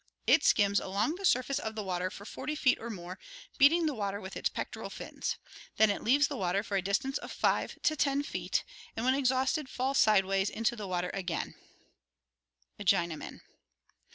It skims along the surface of the water for 40 feet or more, beating the water with its pectoral fins. Then it leaves the water for a distance of 5 to 10 feet and when exhausted falls sideways into the water again (Eigenmann).